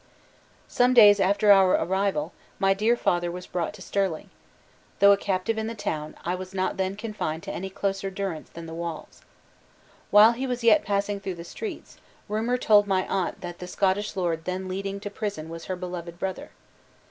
"Some days after our arrival, my dear father was brought to Stirling. Though a captive in the town, I was not then confined to any closer durance than the walls. While he was yet passing through the streets, rumor told my aunt that the Scottish lord then leading to prison was her beloved brother.